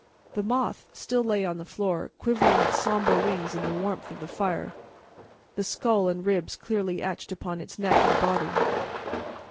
The moth still lay on the floor quivering its somber wings in the warmth of the fire, the skull and ribs clearly etched upon its neck and body.